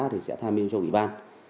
thì sẽ tham mưu cho ủy ban